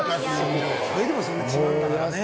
これでもそんな違うんだからね。